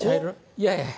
いやいや。